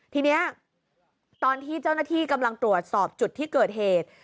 ทีนี้ตอนที่เจ้าหน้าที่กำลังตรวจสอบจุดที่เกิดเหตุ